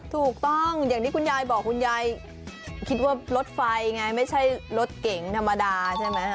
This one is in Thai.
ถูกต้องอย่างที่คุณยายบอกคุณยายคิดว่ารถไฟไงไม่ใช่รถเก๋งธรรมดาใช่ไหม